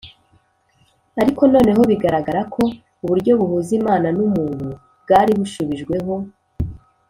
. Ariko noneho bigaragara ko uburyo buhuza Imana n’umuntu bwari bushubijweho.